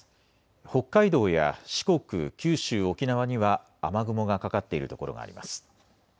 北海道や四国、九州、沖縄には雨雲がかかっている所があります。